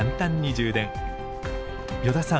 依田さん